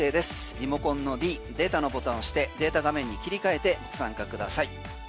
リモコンのｄデータのボタン押してデータ画面に切り替えてご参加ください。